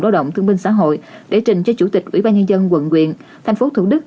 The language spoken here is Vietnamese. lao động thương binh xã hội để trình cho chủ tịch ủy ban nhân dân quận quyền tp thủ đức